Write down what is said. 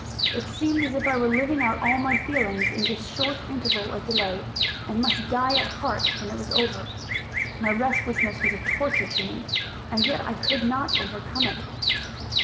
It seemed as if I were living out all my feelings in this short interval of delay, and must die at heart when it was over. My restlessness was a torture to me; and yet I could not overcome it.